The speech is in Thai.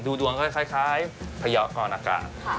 ดูดวงก็คล้าย